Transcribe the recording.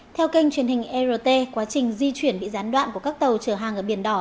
theo kênh truyền hình rt quá trình di chuyển bị gián đoạn của các tàu chở hàng ở biển đỏ